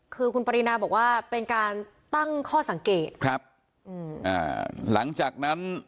คือคุณปรินาบอกว่าเป็นการตั้งข้อสังเกตครับอืมอ่าหลังจากนั้น